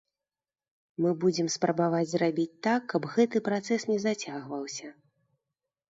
Мы будзем спрабаваць зрабіць так, каб гэты працэс не зацягваўся.